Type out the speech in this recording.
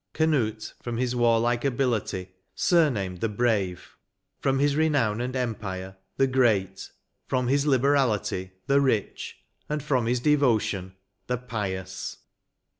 " Canute, firom his warlike ability, sumamed the Brave; from his renown and empire, the Great; from his liberality, the Eich ; and from bis devo tion, the Pious."